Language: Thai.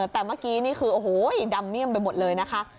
แต่เมื่อกี้นี่คือโอ้โหดำเมี่ยมไปหมดเลยนะคะ